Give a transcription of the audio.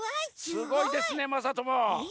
すごいですねまさとも！